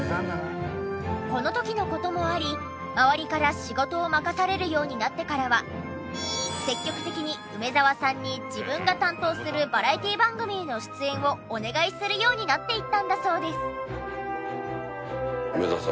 この時の事もあり周りから積極的に梅沢さんに自分が担当するバラエティ番組への出演をお願いするようになっていったんだそうです。